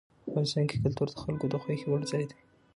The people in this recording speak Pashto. افغانستان کې کلتور د خلکو د خوښې وړ ځای دی.